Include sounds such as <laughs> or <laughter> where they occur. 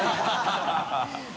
ハハハ <laughs>